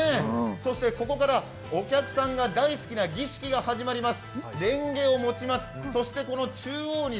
そしてここからお客さんが大好きな儀式が始まります。